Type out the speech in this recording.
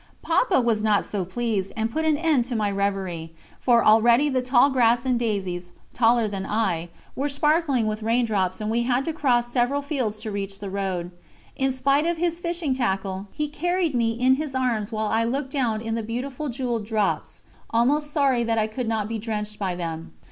Papa was not so pleased, and put an end to my reverie, for already the tall grass and daisies, taller than I, were sparkling with rain drops, and we had to cross several fields to reach the road. In spite of his fishing tackle, he carried me in his arms while I looked down in the beautiful jewelled drops, almost sorry that I could not be drenched by them.